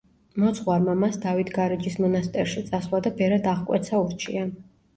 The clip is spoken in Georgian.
მოძღვარმა მას დავით გარეჯის მონასტერში წასვლა და ბერად აღკვეცა ურჩია.